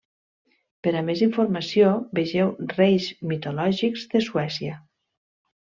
Per a més informació, vegeu Reis mitològics de Suècia.